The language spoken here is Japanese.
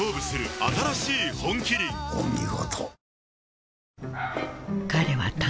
お見事。